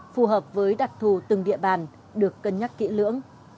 phù hợp với đặc thù từng địa bàn được cân nhắc kỹ lưỡng